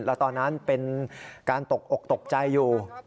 แล้วตอนนั้นเป็นการตกอกตกใจอยู่